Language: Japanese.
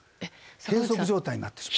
閉塞状態になってしまう。